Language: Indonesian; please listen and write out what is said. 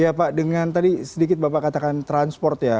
ya pak dengan tadi sedikit bapak katakan transport ya